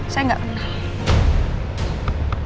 saya gak kenal